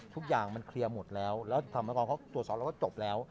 ทุกอย่างมันเคลียร์หมดแล้วแล้วธรรมกรเขาตรวจสอบแล้วก็จบแล้ว